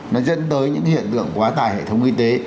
nó dẫn tới những hiện tượng quá tài hệ thống y tế